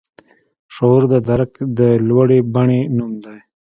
شعور د درک د لوړې بڼې نوم دی.